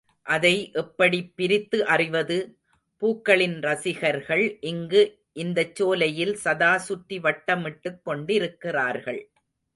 அதை எப்படிப் பிரித்து அறிவது? பூக்களின் ரசிகர்கள் இங்கு இந்தச் சோலையில் சதா சுற்றி வட்டமிட்டுக் கொண்டிருக்கிறார்கள்.